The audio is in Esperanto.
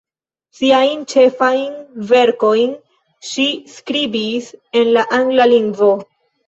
Siajn ĉefajn verkojn ŝi skribis en la angla lingvo.